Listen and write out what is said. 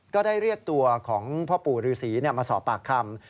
ก็ได้เรียกตัวของพ่อปู่ฤษีมาสอบปากคำ